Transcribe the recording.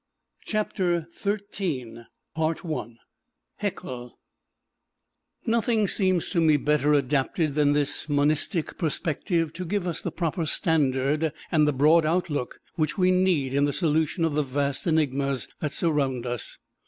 [Illustration: ERNST HAECKEL] HAECKEL Nothing seems to me better adapted than this monistic perspective to give us the proper standard and the broad outlook which we need in the solution of the vast enigmas that surround us.